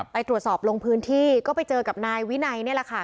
ไปตรวจสอบลงพื้นที่ก็ไปเจอกับนายวินัยนี่แหละค่ะ